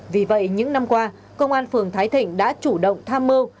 vì vậy những năm qua công an phường thái thịnh đã chủ động tham mưu